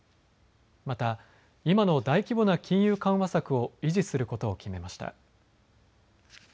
また今の大規模な金融緩和策を維持することを決めました。